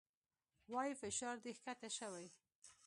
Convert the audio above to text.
وايي فشار دې کښته شوى.